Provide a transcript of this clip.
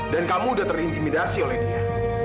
dan kamu udah terintimidasi oleh dia